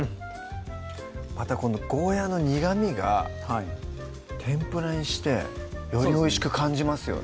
またこのゴーヤの苦みがはい天ぷらにしてよりおいしく感じますよね